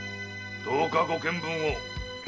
どうかご検分を。